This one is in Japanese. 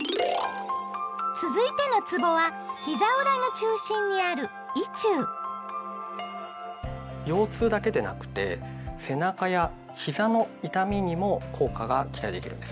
続いてのつぼはひざ裏の中心にある腰痛だけでなくて背中やひざの痛みにも効果が期待できるんです。